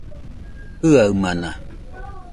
Jiaɨamana